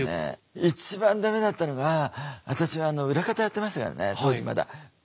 一番ダメだったのが私はあの裏方やってましたからね当時まだ。